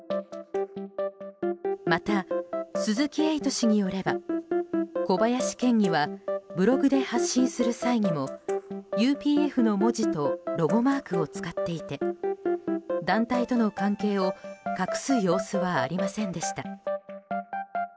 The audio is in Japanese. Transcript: また、鈴木エイト氏によれば小林県議はブログで発信する際にもＵＰＦの文字とロゴマークを使っていて団体との関係を隠す様子はありませんでした。